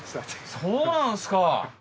そうなんですか。